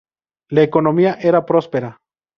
La economía era próspera.